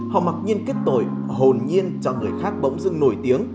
họ mặc nhiên kết tội hồn nhiên cho người khác bỗng dưng nổi tiếng